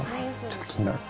ちょっと気になる。